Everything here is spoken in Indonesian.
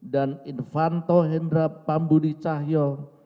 dan irvanto hendra pambudicahyo